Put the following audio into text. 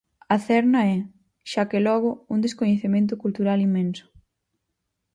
A cerna é, xa que logo, un "descoñecemento cultural inmenso".